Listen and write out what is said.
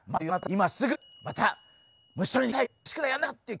今すぐまた「虫とりに行きたい」